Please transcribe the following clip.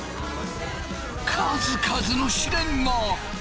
数々の試練が！